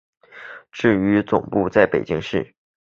至于总部为北京市。